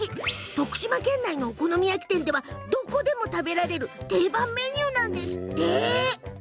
徳島県内のお好み焼き屋さんではどこでも食べられる定番メニューなんですって。